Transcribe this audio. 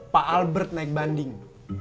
pak albert naik banding